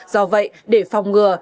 do vậy để phòng ngừa